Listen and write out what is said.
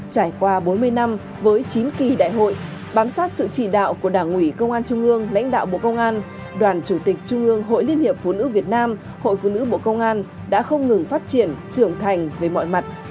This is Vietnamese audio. trải qua bốn mươi năm với chín kỳ đại hội bám sát sự chỉ đạo của đảng ủy công an trung ương lãnh đạo bộ công an đoàn chủ tịch trung ương hội liên hiệp phụ nữ việt nam hội phụ nữ bộ công an đã không ngừng phát triển trưởng thành về mọi mặt